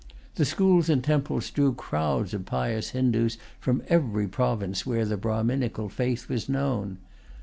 The schools and temples drew crowds of pious Hindoos from every province where the Brahminical faith was known.